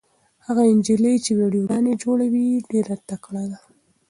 هغه نجلۍ چې ویډیوګانې جوړوي ډېره تکړه ده.